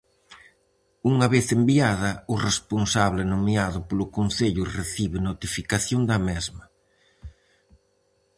Unha vez enviada, o responsable nomeado polo concello recibe notificación da mesma.